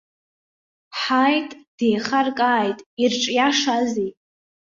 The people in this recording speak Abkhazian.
Ҳааит, деихаркааит ирҿиашазеи?